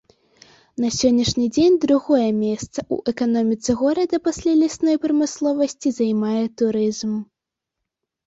На сённяшні дзень другое месца ў эканоміцы горада пасля лясной прамысловасці займае турызм.